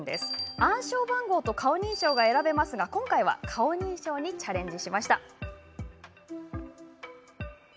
暗証番号と顔認証が選べますが今回は顔認証にチャレンジ。